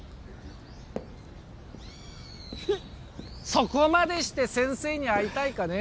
そこまでして先生に会いたいかね